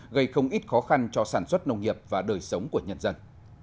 gây không ít khó khăn cho sản xuất nông nghiệp và đời sống của nhân dân